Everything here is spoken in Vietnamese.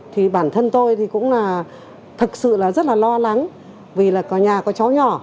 thì bản thân tôi thì cũng là thật sự là rất là lo lắng vì là nhà có chó nhỏ